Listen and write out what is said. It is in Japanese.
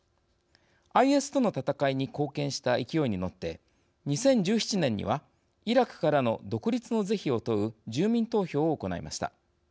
ＩＳとの戦いに貢献した勢いに乗って２０１７年にはイラクからの独立の是非を問う住民投票を行いました。